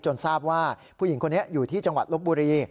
ทราบว่าผู้หญิงคนนี้อยู่ที่จังหวัดลบบุรี